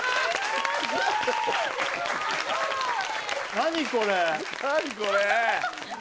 何これ？